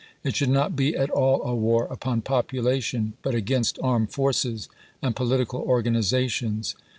It should not be at all a war upon population, but against armed forces and political organizations.